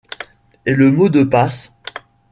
Et le mot de passe.